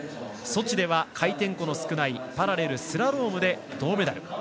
ソチでは回転の少ないパラレルスラロームで銅メダル。